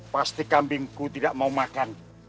pasti kambingku tidak mau makan